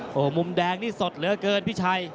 โอ้โหมุมแดงนี่สดเหลือเกินพี่ชัย